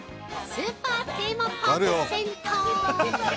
スーパーテーマパーク銭湯。